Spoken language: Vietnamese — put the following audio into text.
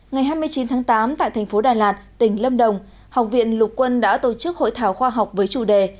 ngày hai mươi chín tháng tám tại thành phố đà lạt tỉnh lâm đồng học viện lục quân đã tổ chức hội thảo khoa học với chủ đề